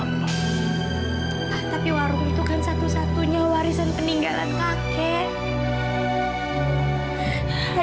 hah tapi warung itu kan satu satunya warisan peninggalan kakek